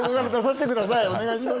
お願いします！